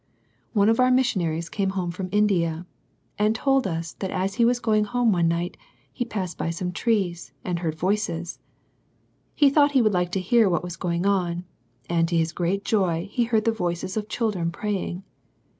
One of our missionaries came home from India, and told us that as he was going home one night, he passed by some trees, and heard voices. He thought he would like to hear what was going on, and to his great joy he heard the voices of children praying.